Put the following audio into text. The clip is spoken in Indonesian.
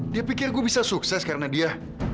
dia pikir gue bisa sukses karena dia